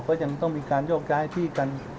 จะมีการยอกย้ายที่กัน